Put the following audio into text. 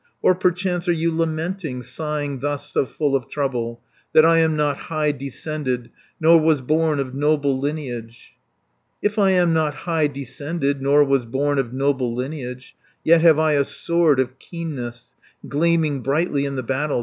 "Or perchance are you lamenting, Sighing thus so full of trouble, That I am not high descended, Nor was born of noble lineage? "If I am not high descended, Nor was born of noble lineage, Yet have I a sword of keenness, Gleaming brightly in the battle.